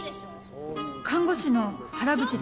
看護師の原口です。